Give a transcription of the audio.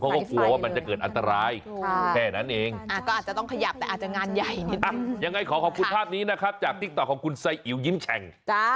เขาก็กลัวว่ามันจะเกิดอันตรายค่ะแค่นั้นเองอ่ะก็อาจจะต้องขยับแต่อาจจะงานใหญ่นิดนึง